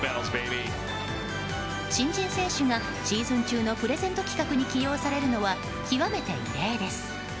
新人選手がシーズン中のプレゼント企画に起用されるのは極めて異例です。